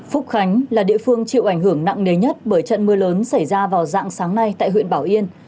phúc khánh là địa phương chịu ảnh hưởng nặng nề nhất bởi trận mưa lớn xảy ra vào dạng sáng nay tại huyện bảo yên